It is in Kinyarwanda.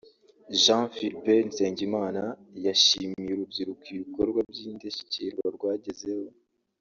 Jean Philbert Nsengimana yashimiye urubyiruko ibikorwa by’indashyikirwa rwagezeho